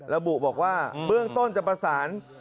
ระบุบอกว่าเบื้องต้นจะประสาน